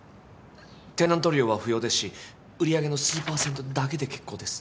テナント料は不要ですし売り上げの数％だけで結構です。